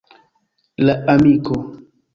La amiko.